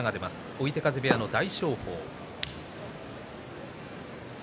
追手風部屋の大翔鵬です。